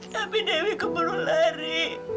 tapi dewi keburu lari